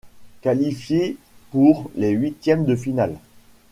Qualifiés pour les huitièmes de finale.